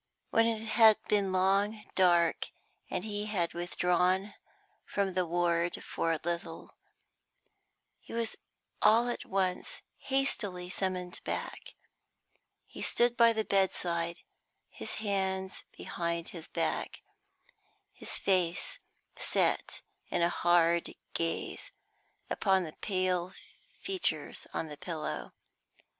When it had been long dark, and he had withdrawn from the ward for a little, he was all at once hastily summoned back. He stood by the bedside, his hands behind his back, his face set in a hard gaze upon the pale features on the pillow.